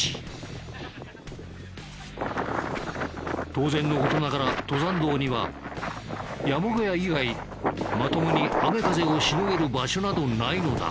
当然の事ながら登山道には山小屋以外まともに雨風をしのげる場所などないのだ。